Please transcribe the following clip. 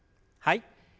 はい。